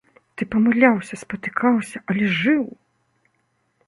Ты памыляўся, спатыкаўся, але жыў!